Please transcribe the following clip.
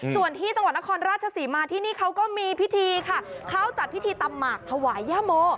ส่วนที่จังหวัดนครราชศรีมาที่นี่เขาก็มีพิธีค่ะเขาจัดพิธีตำหมากถวายย่าโม